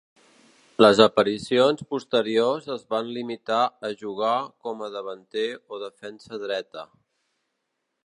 Les aparicions posteriors es van limitar a jugar com a davanter o defensa dreta.